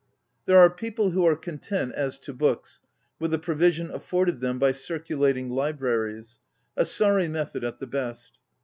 There are people who are con tent, as to books, with the provision afforded them by circulating libra ries, ŌĆö a sorry method at the best.